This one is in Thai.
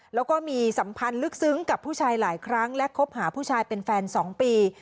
แล้วก็มีสัมพันธ์ลึกซึ้งกับผู้ชายหลายครั้งและคบหาผู้ชายเป็นแฟน๒ปี